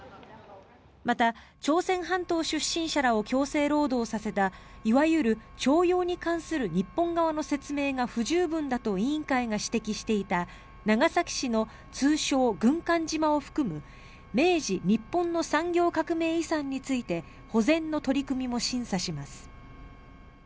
また朝鮮半島出身者らを強制労働させたいわゆる徴用に関する日本側の説明が不十分だと委員会が指摘していた長崎市の通称・軍艦島を含む明治日本の産業革命遺産について保全の取り組みも審査します。